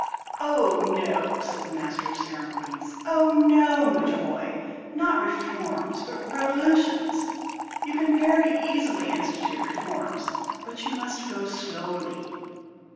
"Oh, no!" said the Master of Ceremonies; "oh, no, Mudjahoy. Not reforms, but revolutions. You can very easily institute reforms; but you must go slowly."